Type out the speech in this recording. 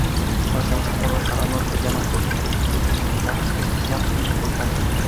Su ascenso por la cara norte ya no presenta especial dificultad.